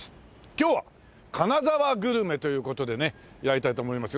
今日は金沢グルメという事でねやりたいと思いますよ。